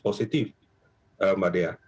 positif mbak dea